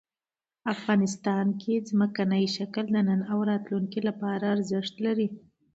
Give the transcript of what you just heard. افغانستان کې ځمکنی شکل د نن او راتلونکي لپاره ارزښت لري.